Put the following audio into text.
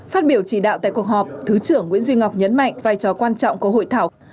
phát biểu chỉ đạo tại cuộc họp thứ trưởng nguyễn duy ngọc nhấn mạnh vai trò quan trọng của hội thảo